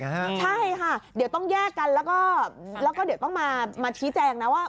ใช่ค่ะเดี๋ยวต้องแยกกันแล้วก็เดี๋ยวต้องมาชี้แจงนะว่า